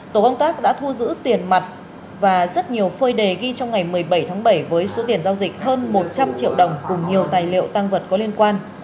tổ công tác đã thu giữ tiền mặt và rất nhiều phơi đề ghi trong ngày một mươi bảy tháng bảy với số tiền giao dịch hơn một trăm linh triệu đồng cùng nhiều tài liệu tăng vật có liên quan